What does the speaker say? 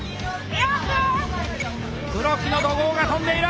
黒木の怒号が飛んでいる！